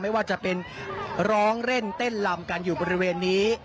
ไม่ว่าจะเป็นร้องเล่นเต้นลำกันอยู่บริเวณนี้